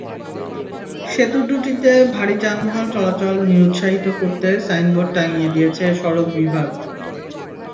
সেতু দুটিতে ভারী যানবাহন চলাচল নিরুৎসাহিত করতে সাইনবোর্ড টানিয়ে দিয়েছে সড়ক বিভাগ।